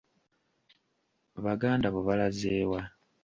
Baganda bo balaze wa?